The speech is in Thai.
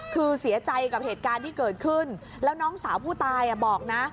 คือเสียใจกับเหตุการณ์ที่เกิดขึ้นแล้วน้องสาวผู้ตายบอกนะ